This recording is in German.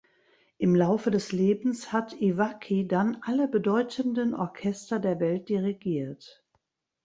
Im Laufe des Lebens hat Iwaki dann alle bedeutenden Orchester der Welt dirigiert.